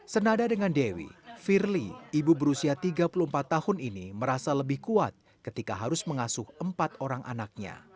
senada dengan dewi firly ibu berusia tiga puluh empat tahun ini merasa lebih kuat ketika harus mengasuh empat orang anaknya